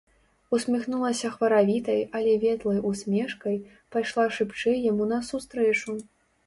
Усміхнулася хваравітай, але ветлай усмешкай, пайшла шыбчэй яму насустрэчу.